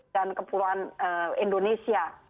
dan kepulauan indonesia